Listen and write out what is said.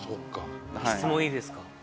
質問いいですか？